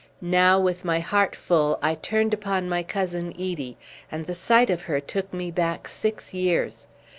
Now with my heart full I turned upon my Cousin Edie, and the sight of her took me back six years.